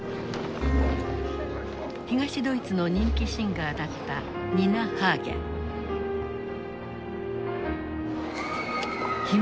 東ドイツの人気シンガーだったニナ・ハーゲン秘密